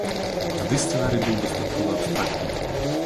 Тады сцэнарый быў дастаткова абстрактным.